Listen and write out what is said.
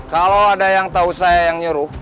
kalau ada yang tahu saya yang nyuruh